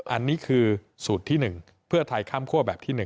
อันนี้คือสูตรที่๑เพื่อไทยข้ามคั่วแบบที่๑